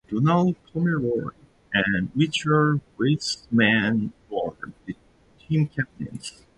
Donald Pomeroy and Richard Weissman were the team captains.